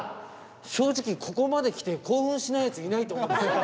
正直ここまで来て興奮しないやついないと思うんですよ。